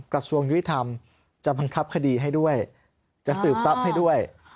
กระทรวงยุติธรรมจะบังคับคดีให้ด้วยจะสืบทรัพย์ให้ด้วย